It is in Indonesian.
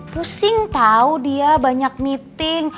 pusing tahu dia banyak meeting